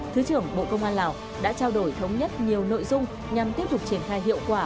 thứ trưởng bộ công an lào đã trao đổi thống nhất nhiều nội dung nhằm tiếp tục triển khai hiệu quả